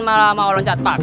malah mau loncat pake